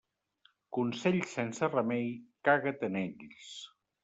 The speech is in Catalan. Consells sense remei, caga't en ells.